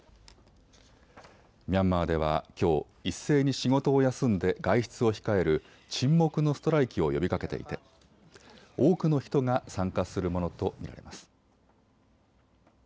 ミャンマーではきょう一斉に仕事を休んで外出を控える沈黙のストライキを呼びかけていて多くの人が参加するものと見られます。